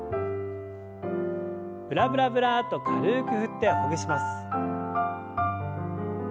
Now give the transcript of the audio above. ブラブラブラッと軽く振ってほぐします。